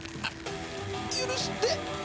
許して！